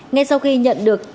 ngay sau khi nhận được